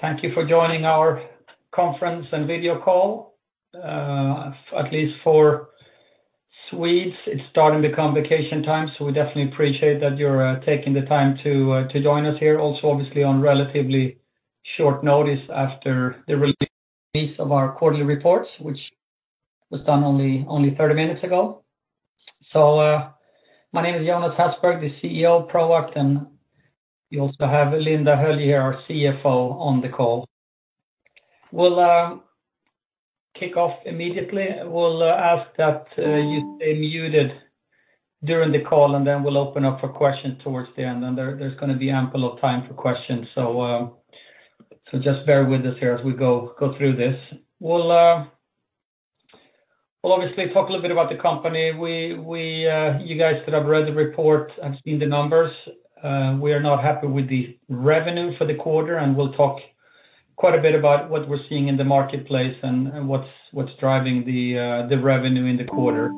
Thank you for joining our conference and video call. At least for Swedes, it's starting to become vacation time, so we definitely appreciate that you're taking the time to join us here. Also, obviously, on relatively short notice after the release of our quarterly reports, which was done only 30 minutes ago. My name is Jonas Hasselberg, the CEO of Proact, and you also have Linda Höljö, our CFO, on the call. We'll kick off immediately. We ask that you stay muted during the call, and then we'll open up for questions towards the end. There is going to be ample time for questions, so just bear with us here as we go through this. We'll obviously talk a little bit about the company. You guys could have read the report and seen the numbers. We are not happy with the revenue for the quarter, and we'll talk quite a bit about what we're seeing in the marketplace and what's driving the revenue in the quarter.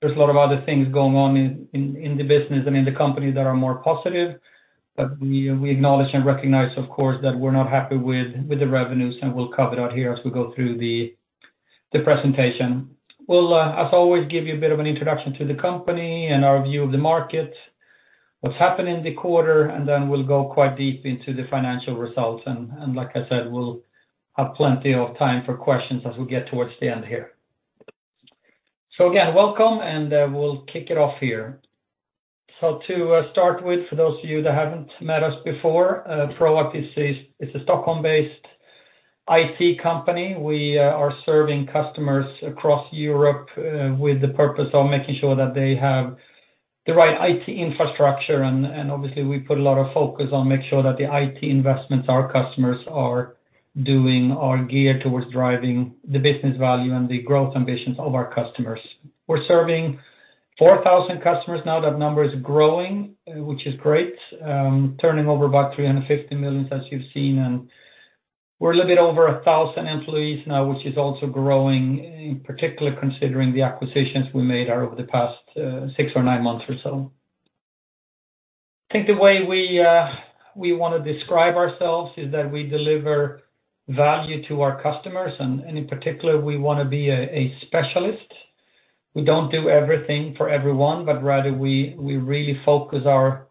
There are a lot of other things going on in the business and in the company that are more positive, but we acknowledge and recognize, of course, that we're not happy with the revenues, and we'll cover that here as we go through the presentation. We'll, as always, give you a bit of an introduction to the company and our view of the market, what's happened in the quarter, and then we'll go quite deep into the financial results. Like I said, we'll have plenty of time for questions as we get towards the end here. Again, welcome, and we'll kick it off here. To start with, for those of you that haven't met us before, Proact is a Stockholm-based IT company. We are serving customers across Europe with the purpose of making sure that they have the right IT infrastructure. Obviously, we put a lot of focus on making sure that the IT investments our customers are doing are geared towards driving the business value and the growth ambitions of our customers. We're serving 4,000 customers now. That number is growing, which is great, turning over about 350 million, as you've seen. We're a little bit over 1,000 employees now, which is also growing, particularly considering the acquisitions we made over the past six or nine months or so. I think the way we want to describe ourselves is that we deliver value to our customers, and in particular, we want to be a specialist. We don't do everything for everyone, but rather we really focus our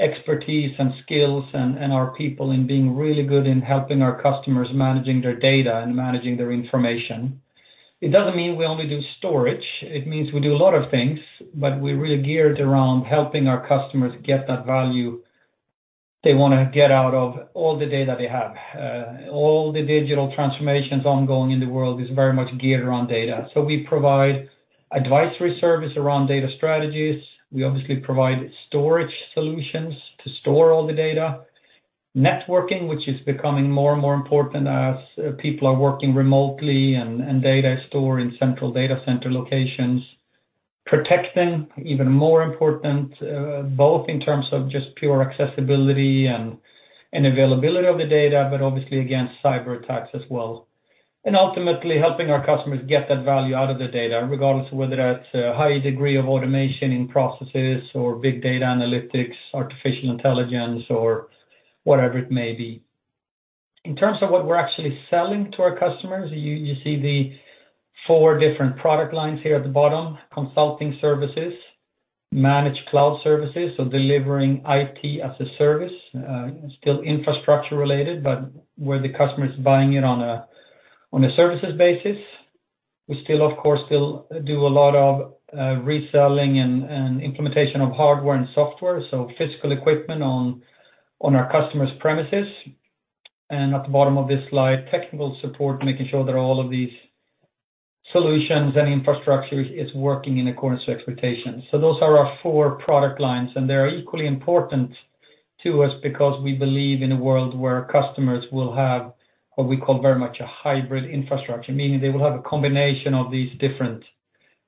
expertise and skills and our people in being really good in helping our customers manage their data and manage their information. It doesn't mean we only do storage. It means we do a lot of things, but we're really geared around helping our customers get that value they want to get out of all the data they have. All the digital transformations ongoing in the world are very much geared around data. We provide advisory service around data strategies. We obviously provide storage solutions to store all the data. Networking, which is becoming more and more important as people are working remotely and data is stored in central data center locations. Protecting, even more important, both in terms of just pure accessibility and availability of the data, but obviously, against cyber attacks as well. Ultimately, helping our customers get that value out of the data, regardless of whether that's a high degree of automation in processes or big data analytics, artificial intelligence, or whatever it may be. In terms of what we're actually selling to our customers, you see the four different product lines here at the bottom: consulting services, managed cloud services, so delivering IT as a service, still infrastructure-related, but where the customer is buying it on a services basis. We still, of course, do a lot of reselling and implementation of hardware and software, so physical equipment on our customers' premises. At the bottom of this slide, technical support, making sure that all of these solutions and infrastructure are working in accordance with expectations. Those are our four product lines, and they are equally important to us because we believe in a world where customers will have what we call very much a hybrid infrastructure, meaning they will have a combination of these different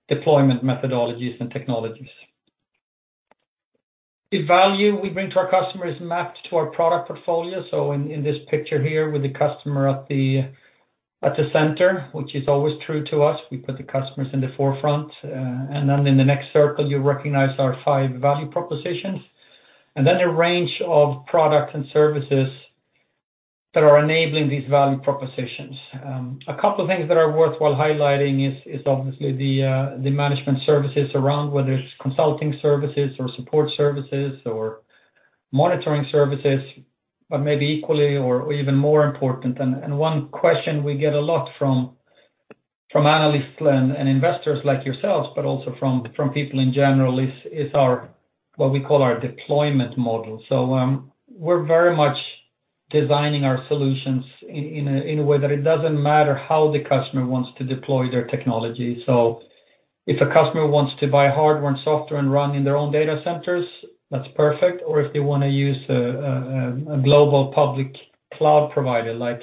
deployment methodologies and technologies. The value we bring to our customers is mapped to our product portfolio. In this picture here with the customer at the center, which is always true to us, we put the customers in the forefront. In the next circle, you recognize our five value propositions. Then a range of products and services that are enabling these value propositions. A couple of things that are worthwhile highlighting is obviously the management services around, whether it's consulting services or support services or monitoring services, but maybe equally or even more important. One question we get a lot from analysts and investors like yourselves, but also from people in general, is what we call our deployment model. We are very much designing our solutions in a way that it does not matter how the customer wants to deploy their technology. If a customer wants to buy hardware and software and run in their own data centers, that is perfect. If they want to use a global public cloud provider like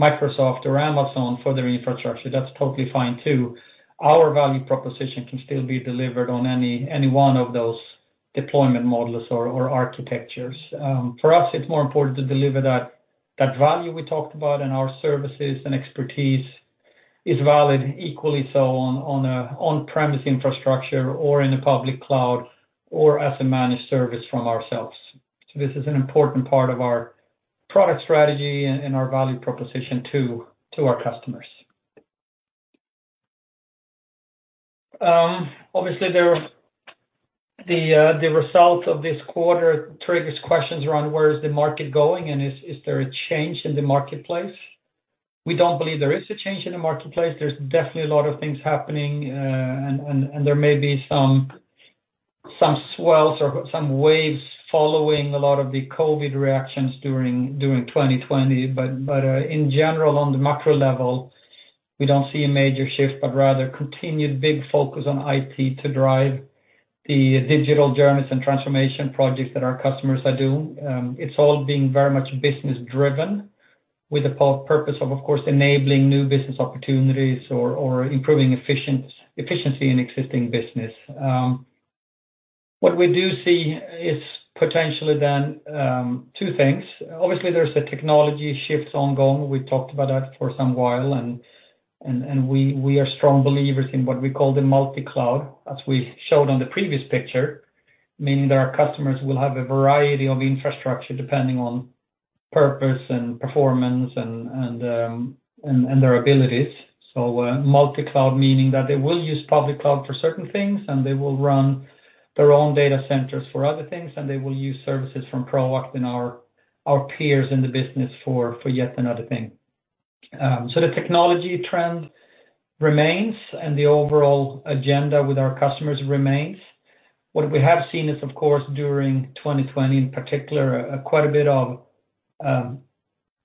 Microsoft or Amazon for their infrastructure, that is totally fine too. Our value proposition can still be delivered on any one of those deployment models or architectures. For us, it is more important to deliver that value we talked about, and our services and expertise is valid equally so on on-premise infrastructure or in a public cloud or as a managed service from ourselves. This is an important part of our product strategy and our value proposition to our customers. Obviously, the result of this quarter triggers questions around where is the market going, and is there a change in the marketplace? We do not believe there is a change in the marketplace. There is definitely a lot of things happening, and there may be some swells or some waves following a lot of the COVID reactions during 2020. In general, on the macro level, we do not see a major shift, but rather continued big focus on IT to drive the digital journeys and transformation projects that our customers are doing. It is all being very much business-driven with the purpose of, of course, enabling new business opportunities or improving efficiency in existing business. What we do see is potentially then two things. Obviously, there is a technology shift ongoing. We talked about that for some while, and we are strong believers in what we call the multi-cloud, as we showed on the previous picture, meaning that our customers will have a variety of infrastructure depending on purpose and performance and their abilities. Multi-cloud, meaning that they will use public cloud for certain things, and they will run their own data centers for other things, and they will use services from Proact and our peers in the business for yet another thing. The technology trend remains, and the overall agenda with our customers remains. What we have seen is, of course, during 2020, in particular, quite a bit of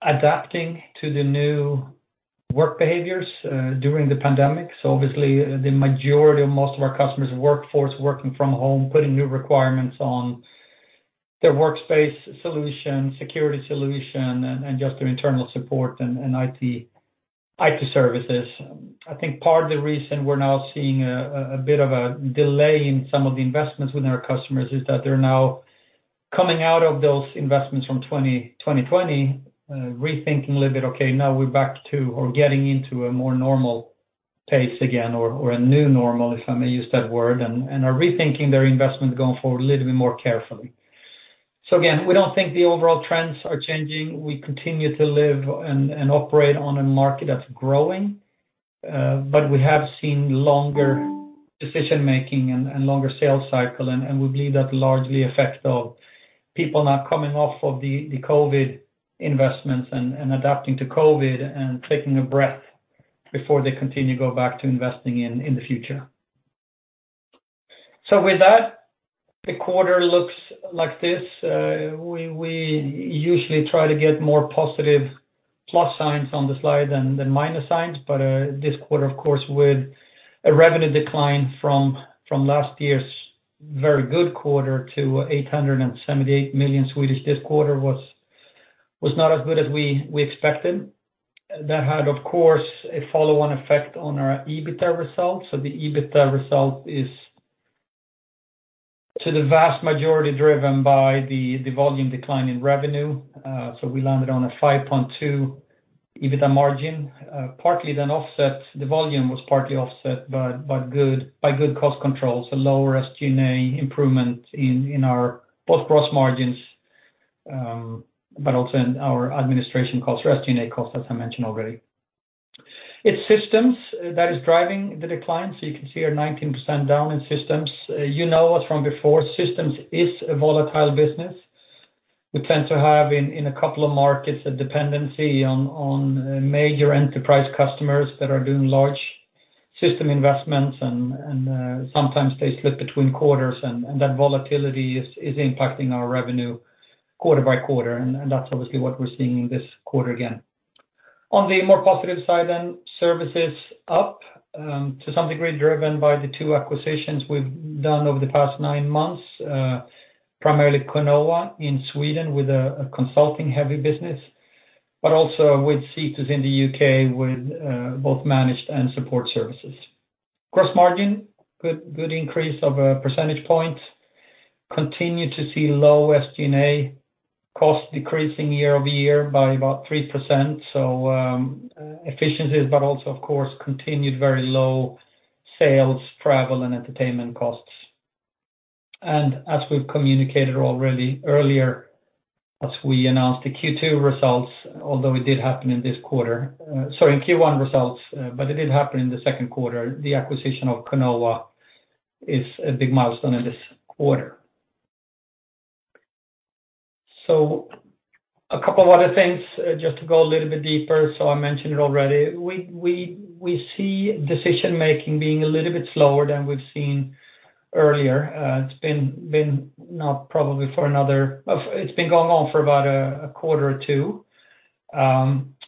adapting to the new work behaviors during the pandemic. Obviously, the majority of most of our customers' workforce working from home put in new requirements on their workspace solution, security solution, and just their internal support and IT services. I think part of the reason we're now seeing a bit of a delay in some of the investments with our customers is that they're now coming out of those investments from 2020, rethinking a little bit, "Okay, now we're back to or getting into a more normal pace again or a new normal," if I may use that word, and are rethinking their investments going forward a little bit more carefully. Again, we don't think the overall trends are changing. We continue to live and operate on a market that's growing, but we have seen longer decision-making and longer sales cycle, and we believe that's largely the effect of people not coming off of the COVID investments and adapting to COVID and taking a breath before they continue to go back to investing in the future. With that, the quarter looks like this. We usually try to get more positive plus signs on the slide than minus signs, but this quarter, of course, with a revenue decline from last year's very good quarter to 878 million this quarter was not as good as we expected. That had, of course, a follow-on effect on our EBITDA result. The EBITDA result is, to the vast majority, driven by the volume decline in revenue. We landed on a 5.2% EBITDA margin, partly then offset. The volume was partly offset by good cost control, so lower SG&A improvement in both our gross margins and our administration costs, or SG&A costs, as I mentioned already. It is systems that are driving the decline. You can see here 19% down in systems. You know us from before. Systems is a volatile business. We tend to have in a couple of markets a dependency on major enterprise customers that are doing large system investments, and sometimes they slip between quarters, and that volatility is impacting our revenue quarter-by-quarter, and that is obviously what we are seeing in this quarter again. On the more positive side, services are up to some degree driven by the two acquisitions we have done over the past nine months, primarily Conoa in Sweden with a consulting-heavy business, but also with Cetus in the U.K. with both managed and support services. Gross margin, good increase of a percentage point. Continue to see low SG&A costs decreasing year over year by about three percent. Efficiencies, but also, of course, continued very low sales, travel, and entertainment costs. As we've communicated already earlier, as we announced the Q2 results, although it did happen in this quarter, sorry, in Q1 results, but it did happen in the second quarter, the acquisition of Conoa is a big milestone in this quarter. A couple of other things just to go a little bit deeper. I mentioned it already. We see decision-making being a little bit slower than we've seen earlier. It's been going on for about a quarter or two.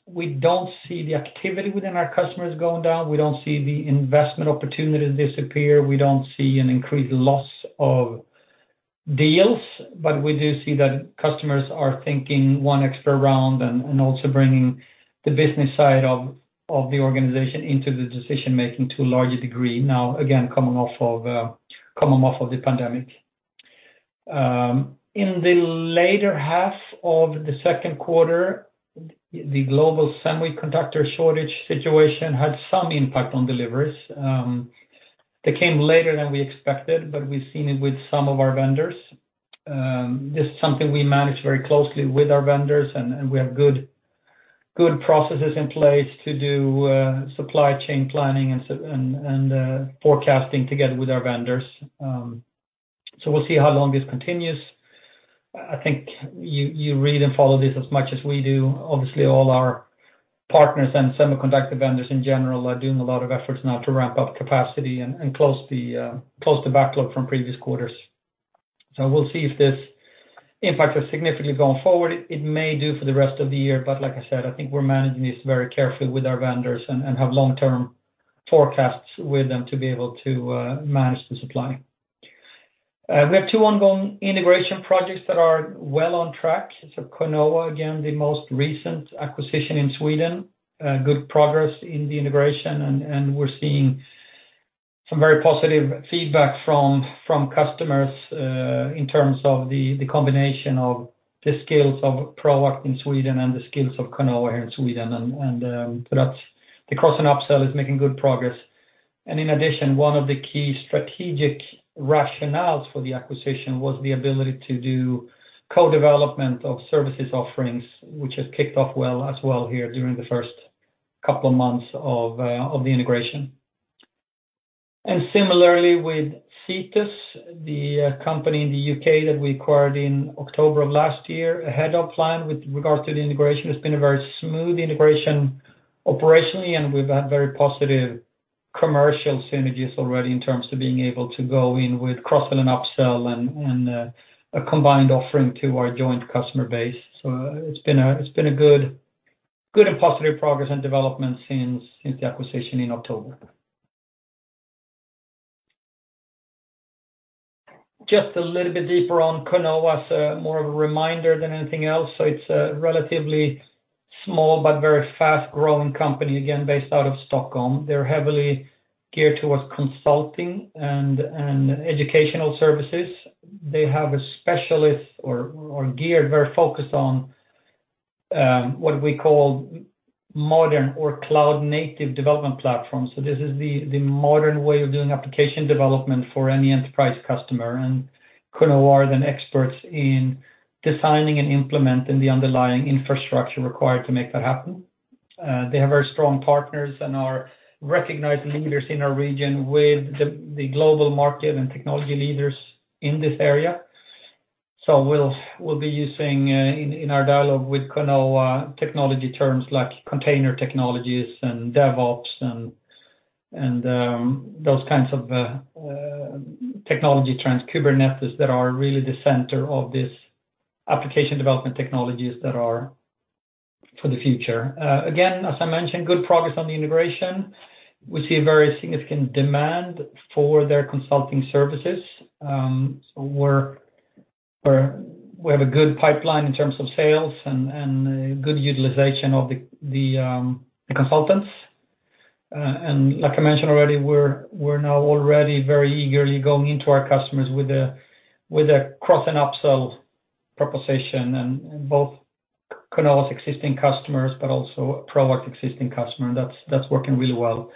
We don't see the activity within our customers going down. We don't see the investment opportunities disappear. We do not see an increased loss of deals, but we do see that customers are thinking one extra round and also bringing the business side of the organization into the decision-making to a larger degree now, again, coming off of the pandemic. In the later half of the second quarter, the global semiconductor shortage situation had some impact on deliveries. They came later than we expected, but we have seen it with some of our vendors. This is something we manage very closely with our vendors, and we have good processes in place to do supply chain planning and forecasting together with our vendors. We will see how long this continues. I think you read and follow this as much as we do. Obviously, all our partners and semiconductor vendors in general are doing a lot of efforts now to ramp up capacity and close the backlog from previous quarters. We will see if this impact has significantly gone forward. It may do for the rest of the year, but like I said, I think we're managing this very carefully with our vendors and have long-term forecasts with them to be able to manage the supply. We have two ongoing integration projects that are well on track. Conoa, again, the most recent acquisition in Sweden. Good progress in the integration, and we're seeing some very positive feedback from customers in terms of the combination of the skills of Proact in Sweden and the skills of Conoa here in Sweden. The cross-and-upsell is making good progress. In addition, one of the key strategic rationales for the acquisition was the ability to do co-development of services offerings, which has kicked off well as well here during the first couple of months of the integration. Similarly, with Cetus, the company in the U.K. that we acquired in October of last year, ahead of plan with regard to the integration, it's been a very smooth integration operationally, and we've had very positive commercial synergies already in terms of being able to go in with cross-and-upsell and a combined offering to our joint customer base. It has been a good and positive progress and development since the acquisition in October. Just a little bit deeper on Conoa, more of a reminder than anything else. It is a relatively small but very fast-growing company, again, based out of Stockholm. They are heavily geared towards consulting and educational services. They have a specialist or are very focused on what we call modern or cloud-native development platforms. This is the modern way of doing application development for any enterprise customer, and Conoa are then experts in designing and implementing the underlying infrastructure required to make that happen. They have very strong partners and are recognized leaders in our region with the global market and technology leaders in this area. We will be using in our dialogue with Conoa technology terms like container technologies and DevOps and those kinds of technology trends, Kubernetes, that are really the center of these application development technologies that are for the future. Again, as I mentioned, good progress on the integration. We see a very significant demand for their consulting services. We have a good pipeline in terms of sales and good utilization of the consultants. Like I mentioned already, we are now already very eagerly going into our customers with a cross-and-upsell proposition and both Conoa's existing customers, but also Proact's existing customers. That is working really well.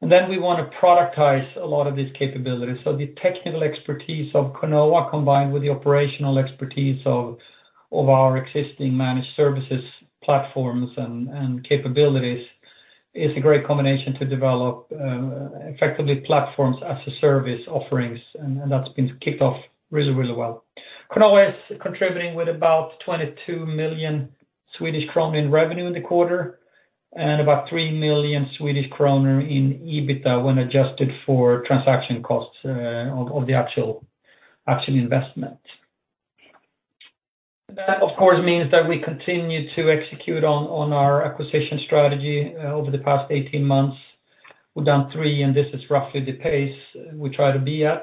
We want to productize a lot of these capabilities. The technical expertise of Conoa combined with the operational expertise of our existing managed services platforms and capabilities is a great combination to develop effectively platforms as a service offerings, and that has been kicked off really, really well. Conoa is contributing with about 22 million Swedish kronor in revenue in the quarter and about 3 million Swedish kronor in EBITDA when adjusted for transaction costs of the actual investment. That, of course, means that we continue to execute on our acquisition strategy over the past 18 months. We have done three, and this is roughly the pace we try to be at.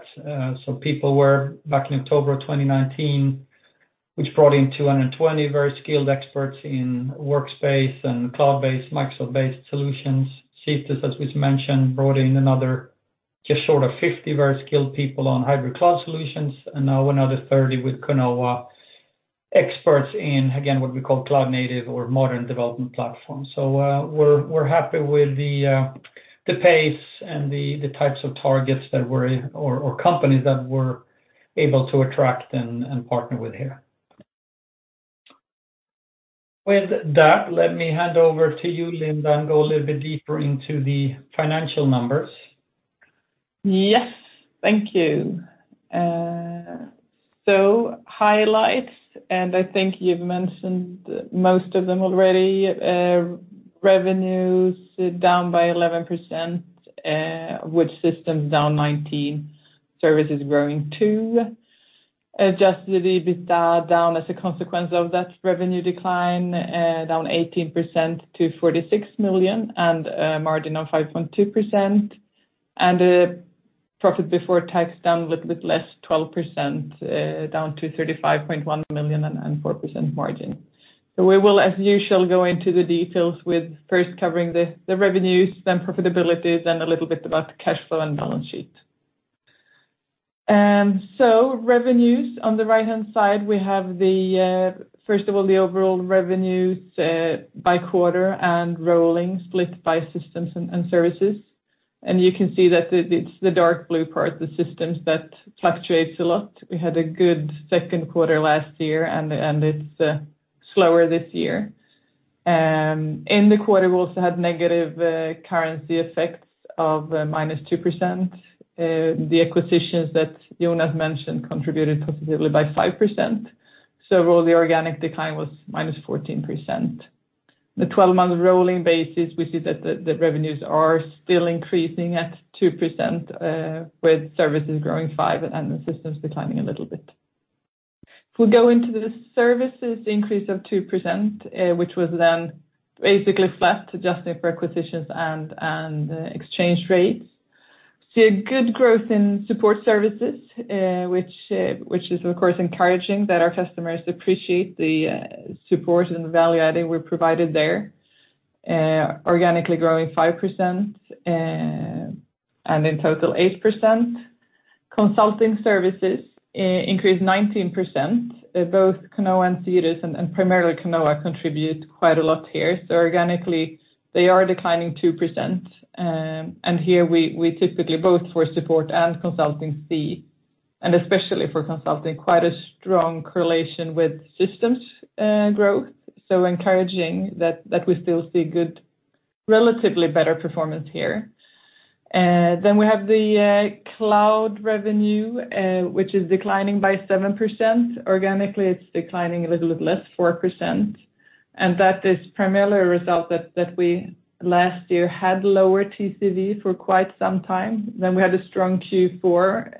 People were back in October of 2019, which brought in 220 very skilled experts in workspace and cloud-based, Microsoft-based solutions. Cetus, as we mentioned, brought in another just short of 50 very skilled people on hybrid cloud solutions, and now another 30 with Conoa experts in, again, what we call cloud-native or modern development platforms. We are happy with the pace and the types of targets that we are or companies that we are able to attract and partner with here. With that, let me hand over to you, Linda, and go a little bit deeper into the financial numbers. Yes. Thank you. Highlights, and I think you have mentioned most of them already. Revenues down by 11%, with systems down 19%, services growing two percent. Adjusted EBITDA down as a consequence of that revenue decline, down 18% to 46 million and margin of 5.2%. Profit before tax down a little bit less, 12%, down to 35.1 million and four percent margin. We will, as usual, go into the details with first covering the revenues, then profitabilities, and a little bit about the cash flow and balance sheet. Revenues, on the right-hand side, we have, first of all, the overall revenues by quarter and rolling split by systems and services. You can see that it's the dark blue part, the systems, that fluctuates a lot. We had a good second quarter last year, and it's slower this year. In the quarter, we also had negative currency effects of minus two percent. The acquisitions that Jonas mentioned contributed positively by five percent. Overall, the organic decline was -14%. On a 12-month rolling basis, we see that the revenues are still increasing at two percent, with services growing five percent and the systems declining a little bit. If we go into the services increase of two percent, which was then basically flat, adjusting for acquisitions and exchange rates. We see a good growth in support services, which is, of course, encouraging that our customers appreciate the support and the value adding we've provided there. Organically growing five percent and in total eight percent. Consulting services increased 19%. Both Conoa and Cetus, and primarily Conoa, contribute quite a lot here. Organically, they are declining two percent. Here, we typically both for support and consulting see, and especially for consulting, quite a strong correlation with systems growth. Encouraging that we still see good, relatively better performance here. We have the cloud revenue, which is declining by seven percent. Organically, it's declining a little bit less, four percent. That is primarily a result that we last year had lower TCV for quite some time. We had a strong Q4.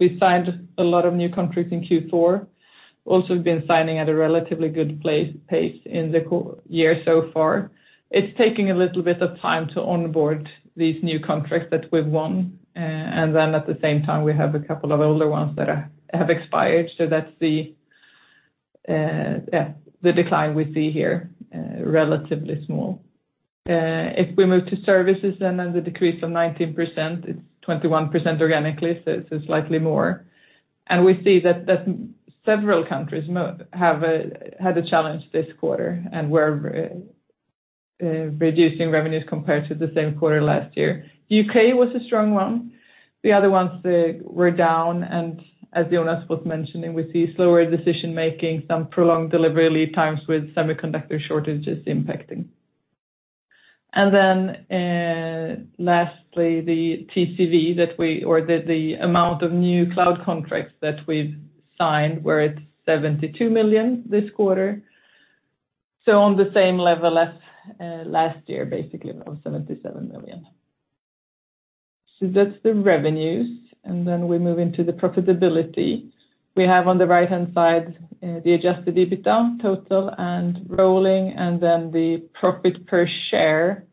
We signed a lot of new contracts in Q4. We have also been signing at a relatively good pace in the year so far. It is taking a little bit of time to onboard these new contracts that we have won. At the same time, we have a couple of older ones that have expired. That is the decline we see here, relatively small. If we move to services and then the decrease of 19%, it is 21% organically, so it is slightly more. We see that several countries had a challenge this quarter and were reducing revenues compared to the same quarter last year. The U.K. was a strong one. The other ones were down. As Jonas was mentioning, we see slower decision-making, some prolonged delivery times with semiconductor shortages impacting. Lastly, the TCV that we or the amount of new cloud contracts that we've signed were at 72 million this quarter. On the same level as last year, basically around 77 million. That's the revenues. We move into the profitability. We have on the right-hand side the adjusted EBITDA total and rolling, and then the profit per share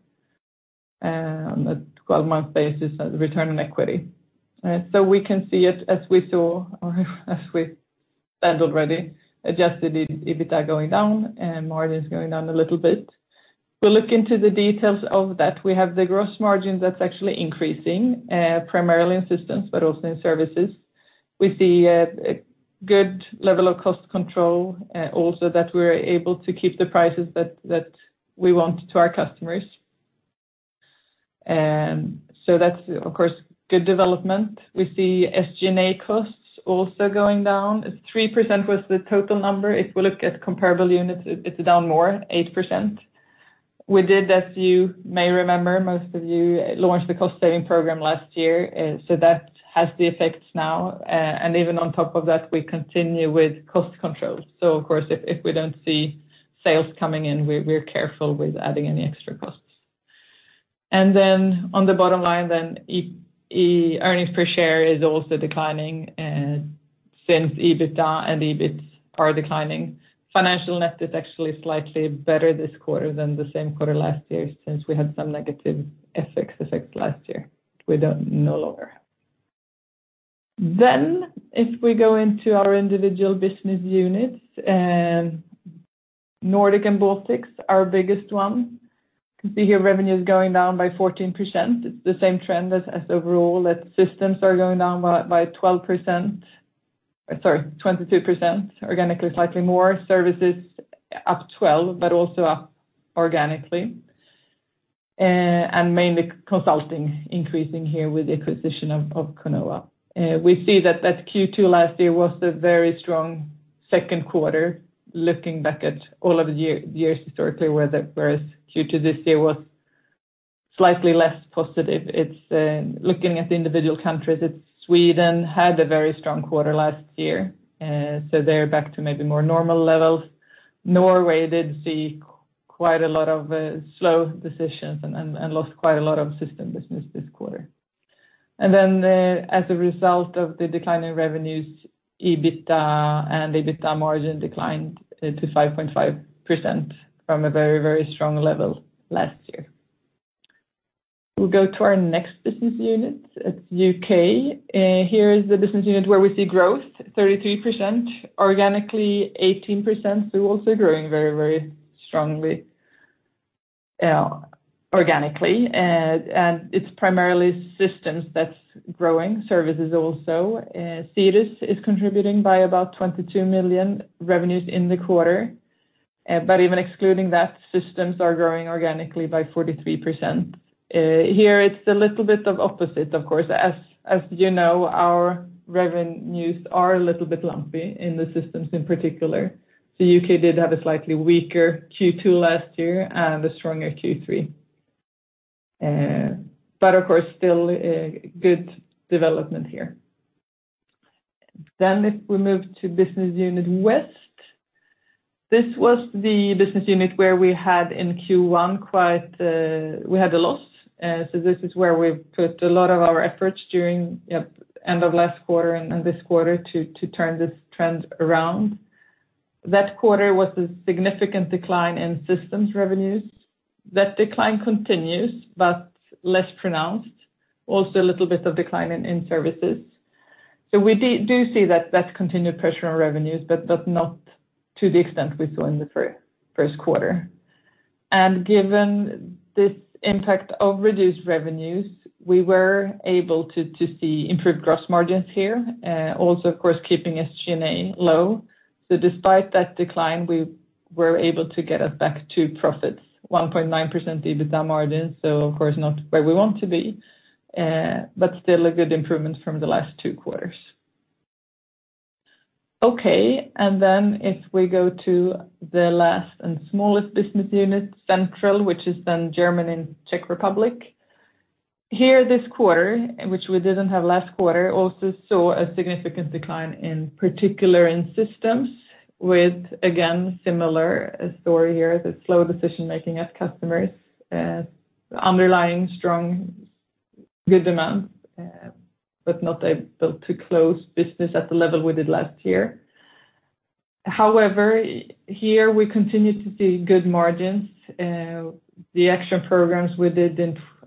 on a 12-month basis return on equity. We can see it as we saw or as we said already, adjusted EBITDA going down and margins going down a little bit. We'll look into the details of that. We have the gross margin that's actually increasing, primarily in systems, but also in services. We see a good level of cost control also that we're able to keep the prices that we want to our customers. That's, of course, good development. We see SG&A costs also going down. three percent was the total number. If we look at comparable units, it's down more, eight percent. We did, as you may remember, most of you launched the cost-saving program last year. That has the effects now. Even on top of that, we continue with cost control. Of course, if we don't see sales coming in, we're careful with adding any extra costs. On the bottom line, earnings per share is also declining since EBITDA and EBIT are declining. Financial net is actually slightly better this quarter than the same quarter last year since we had some negative effects last year we no longer have. If we go into our individual business units, Nordic and Baltics are our biggest ones. You can see here revenues going down by 14%. It's the same trend as overall. Systems are going down by 12%. Sorry, 22%. Organically slightly more. Services up 12, but also up organically. Mainly consulting increasing here with the acquisition of Conoa. We see that Q2 last year was a very strong second quarter, looking back at all of the years historically, whereas Q2 this year was slightly less positive. Looking at the individual countries, Sweden had a very strong quarter last year. They are back to maybe more normal levels. Norway did see quite a lot of slow decisions and lost quite a lot of system business this quarter. As a result of the declining revenues, EBITDA and EBITDA margin declined to 5.5% from a very, very strong level last year. We will go to our next business unit. It is U.K. Here is the business unit where we see growth, 33%. Organically, 18%. Also growing very, very strongly organically. It is primarily systems that are growing. Services also. Cetus is contributing by about 22 million revenues in the quarter. Even excluding that, systems are growing organically by 43%. Here, it is a little bit of the opposite, of course. As you know, our revenues are a little bit lumpy in the systems in particular. The U.K. did have a slightly weaker Q2 last year and a stronger Q3. Of course, still good development here. If we move to business unit West, this was the business unit where we had in Q1 quite a loss. This is where we put a lot of our efforts during the end of last quarter and this quarter to turn this trend around. That quarter was a significant decline in systems revenues. That decline continues, but less pronounced. Also a little bit of decline in services. We do see that continued pressure on revenues, but not to the extent we saw in the first quarter. Given this impact of reduced revenues, we were able to see improved gross margins here. Also, of course, keeping SG&A low. Despite that decline, we were able to get us back to profits, 1.9% EBITDA margin. Of course, not where we want to be, but still a good improvement from the last two quarters. Okay. If we go to the last and smallest business unit, Central, which is then Germany and Czech Republic. Here this quarter, which we did not have last quarter, also saw a significant decline, in particular in systems, with, again, similar story here, the slow decision-making at customers, underlying strong good demand, but not a built-to-close business at the level we did last year. However, here we continue to see good margins. The action programs we did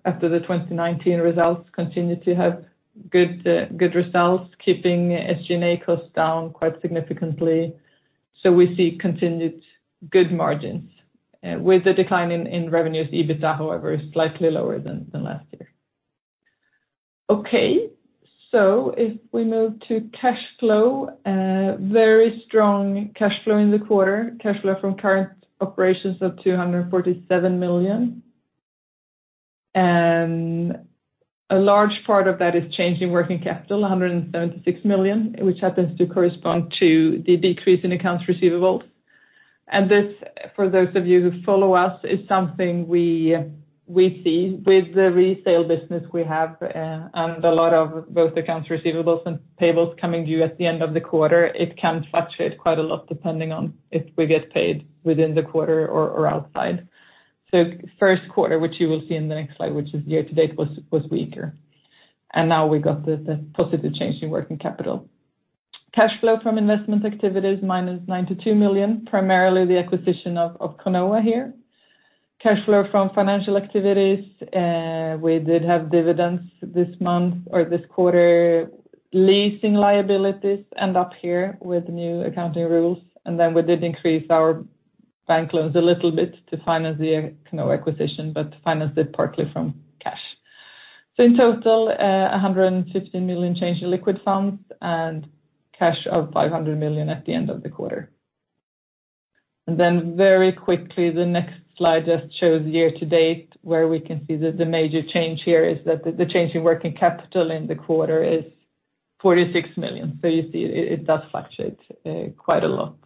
after the 2019 results continue to have good results, keeping SG&A costs down quite significantly. We see continued good margins. With the decline in revenues, EBITDA, however, is slightly lower than last year. If we move to cash flow, very strong cash flow in the quarter, cash flow from current operations of 247 million. A large part of that is changing working capital, 176 million, which happens to correspond to the decrease in accounts receivables. This, for those of you who follow us, is something we see with the resale business we have and a lot of both accounts receivables and payables coming due at the end of the quarter. It can fluctuate quite a lot depending on if we get paid within the quarter or outside. First quarter, which you will see in the next slide, which is year-to-date, was weaker. Now we got the positive change in working capital. Cash flow from investment activities, 92 million negative, primarily the acquisition of Conoa here. Cash flow from financial activities. We did have dividends this month or this quarter, leasing liabilities end up here with new accounting rules. We did increase our bank loans a little bit to finance the acquisition, but financed it partly from cash. In total, 115 million change in liquid funds and cash of 500 million at the end of the quarter. Very quickly, the next slide just shows year-to-date where we can see that the major change here is that the change in working capital in the quarter is 46 million. You see it does fluctuate quite a lot.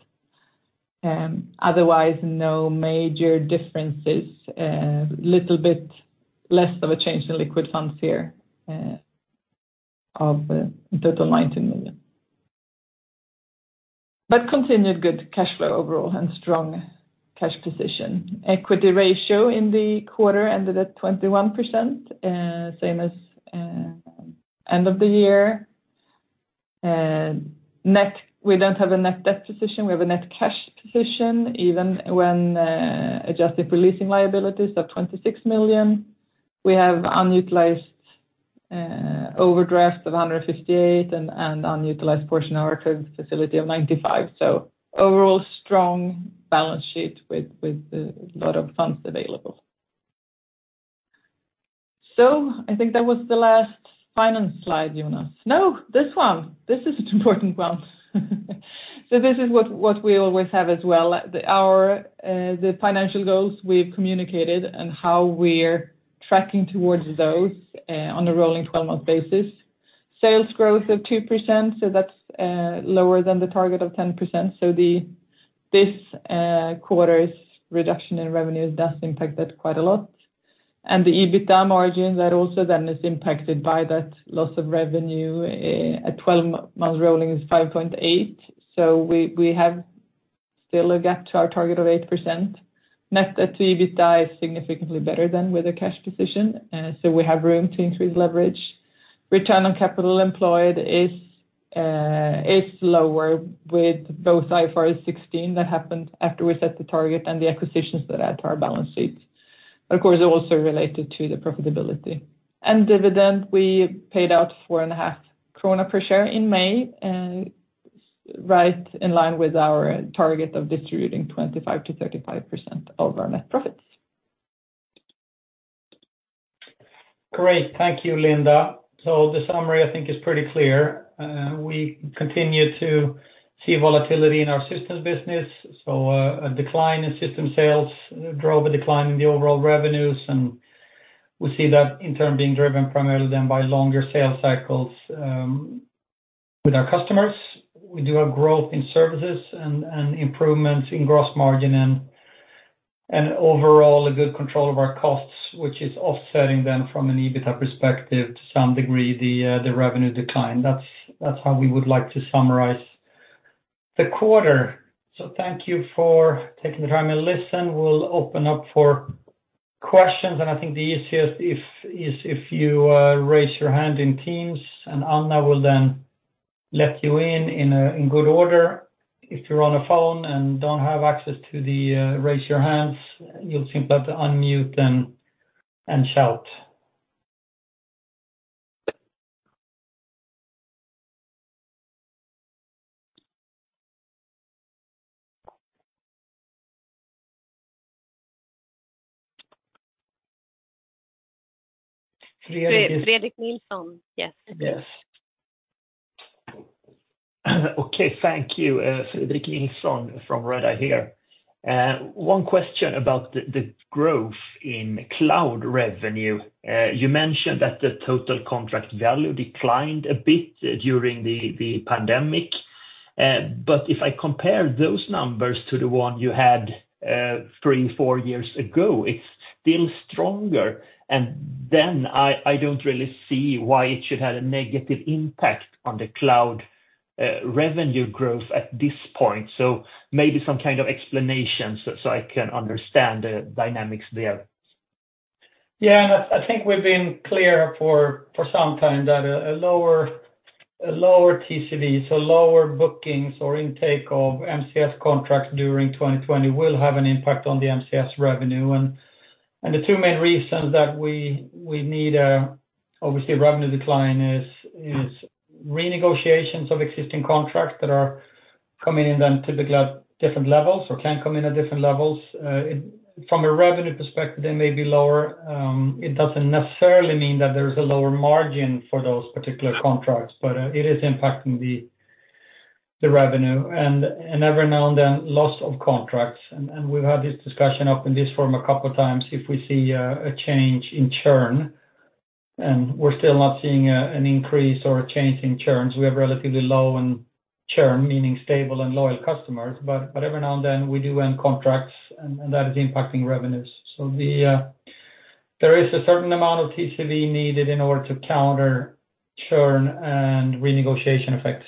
Otherwise, no major differences. A little bit less of a change in liquid funds here of a total 19 million. Continued good cash flow overall and strong cash position. Equity ratio in the quarter ended at 21%, same as end of the year. We do not have a net debt position. We have a net cash position, even when adjusted for leasing liabilities of 26 million. We have unutilized overdrafts of 158 million and unutilized portion of our credit facility of 95 million. Overall, strong balance sheet with a lot of funds available. I think that was the last finance slide, Jonas. No, this one. This is an important one. This is what we always have as well. The financial goals we have communicated and how we are tracking towards those on a rolling 12-month basis. Sales growth of two percent. That is lower than the target of 10%. This quarter's reduction in revenues does impact that quite a lot. The EBITDA margin is also then impacted by that loss of revenue. The 12-month rolling is 5.8%. We still have a gap to our target of eight percent. Net debt to EBITDA is significantly better than with a cash position. We have room to increase leverage. Return on capital employed is lower with both IFRS 16 that happened after we set the target and the acquisitions that add to our balance sheet. Of course, also related to the profitability. Dividend, we paid out 4.5 krona per share in May, right in line with our target of distributing 25%-35% of our net profits. Great. Thank you, Linda. The summary, I think, is pretty clear. We continue to see volatility in our systems business. A decline in system sales drove a decline in the overall revenues. We see that, in turn, being driven primarily then by longer sales cycles with our customers. We do have growth in services and improvements in gross margin and overall a good control of our costs, which is offsetting then from an EBITDA perspective to some degree the revenue decline. That is how we would like to summarize the quarter. Thank you for taking the time and listening. We will open up for questions. I think the easiest is if you raise your hand in Teams. Anna will then let you in in good order. If you are on a phone and do not have access to the raise your hands, you will simply have to unmute and shout. Fredrik Nilsson, yes. Yes. Thank you, Fredrik Nilsson from Redeye here. One question about the growth in cloud revenue. You mentioned that the total contract value declined a bit during the pandemic. If I compare those numbers to the one you had three, four years ago, it's still stronger. I don't really see why it should have a negative impact on the cloud revenue growth at this point. Maybe some kind of explanation so I can understand the dynamics there. Yeah. I think we've been clear for some time that a lower TCV, so lower bookings or intake of MCS contracts during 2020, will have an impact on the MCS revenue. The two main reasons that we need, obviously, revenue decline is renegotiations of existing contracts that are coming in then typically at different levels or can come in at different levels. From a revenue perspective, they may be lower. It does not necessarily mean that there is a lower margin for those particular contracts, but it is impacting the revenue. Every now and then, loss of contracts. We have had this discussion up in this form a couple of times. If we see a change in churn, we are still not seeing an increase or a change in churns. We have relatively low churn, meaning stable and loyal customers. Every now and then, we do end contracts, and that is impacting revenues. There is a certain amount of TCV needed in order to counter churn and renegotiation effects.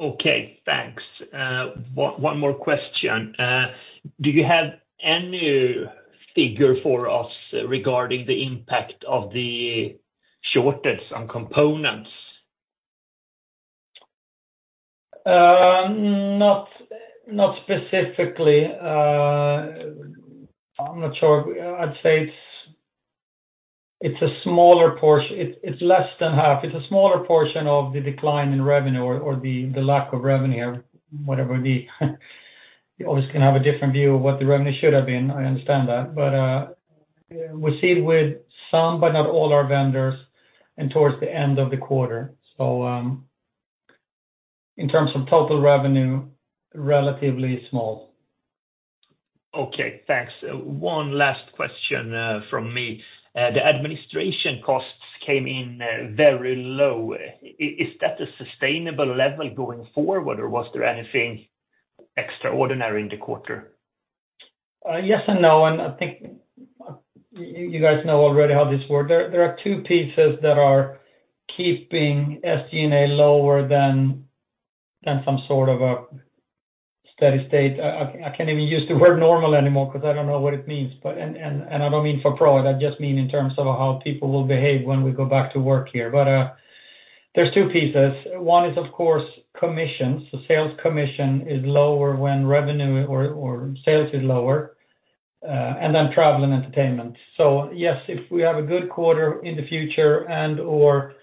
Okay. Thanks. One more question. Do you have any figure for us regarding the impact of the shortage on components? Not specifically. I am not sure. I would say it is a smaller portion. It is less than half. It's a smaller portion of the decline in revenue or the lack of revenue here, whatever the obviously can have a different view of what the revenue should have been. I understand that. We see it with some, but not all our vendors and towards the end of the quarter. In terms of total revenue, relatively small. Okay. Thanks. One last question from me. The administration costs came in very low. Is that a sustainable level going forward, or was there anything extraordinary in the quarter? Yes and no. I think you guys know already how this works. There are two pieces that are keeping SG&A lower than some sort of a steady state. I can't even use the word normal anymore because I don't know what it means. I don't mean for Proact. I just mean in terms of how people will behave when we go back to work here. There are two pieces. One is, of course, commissions. Sales commission is lower when revenue or sales is lower. Then travel and entertainment. Yes, if we have a good quarter in the future and/or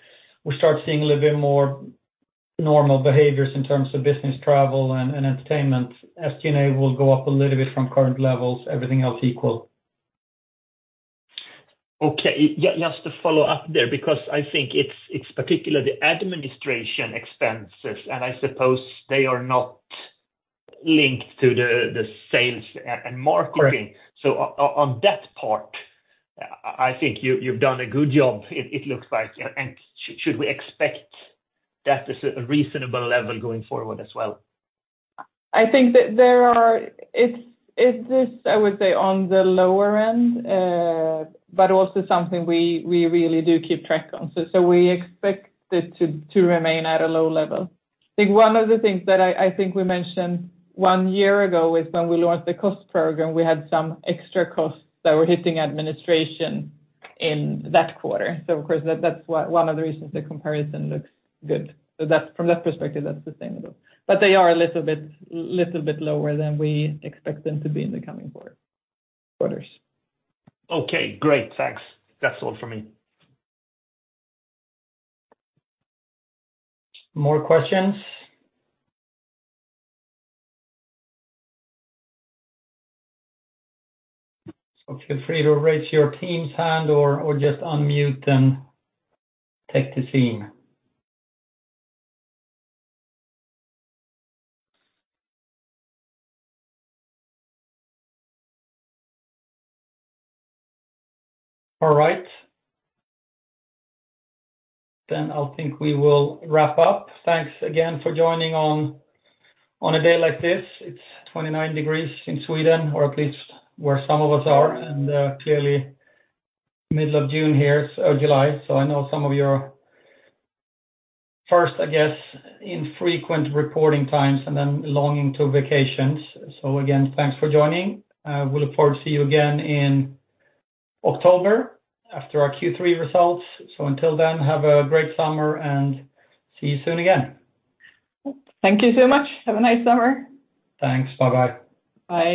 we start seeing a little bit more normal behaviors in terms of business travel and entertainment, SG&A will go up a little bit from current levels, everything else equal. Okay. Just to follow up there because I think it is particularly the administration expenses, and I suppose they are not linked to the sales and marketing. On that part, I think you have done a good job, it looks like. Should we expect that as a reasonable level going forward as well? I think that there are, I would say, on the lower end, but also something we really do keep track on. We expect it to remain at a low level. I think one of the things that I think we mentioned one year ago is when we launched the cost program, we had some extra costs that were hitting administration in that quarter. Of course, that is one of the reasons the comparison looks good. From that perspective, that is sustainable. They are a little bit lower than we expect them to be in the coming quarters. Okay. Great. Thanks. That is all for me. More questions? Feel free to raise your Teams hand or just unmute and take the scene. All right. I think we will wrap up. Thanks again for joining on a day like this. It's 29 degrees in Sweden, or at least where some of us are. Clearly, middle of June here or July. I know some of your first, I guess, infrequent reporting times and then longing to vacations. Again, thanks for joining. We look forward to see you again in October after our Q3 results. Until then, have a great summer and see you soon again. Thank you so much. Have a nice summer. Thanks. Bye-bye. Bye.